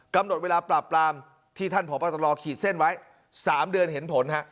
กำหนดเวลาปราบปรามที่ท่านพบตรขีดเส้นไว้๓เดือนเห็นผลฮะ